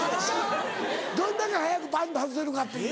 どんだけ早くパッと外せるかっていう。